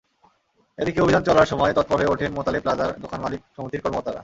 এদিকে অভিযান চলার সময় তৎপর হয়ে ওঠেন মোতালেব প্লাজার দোকান-মালিক সমিতির কর্মকর্তারা।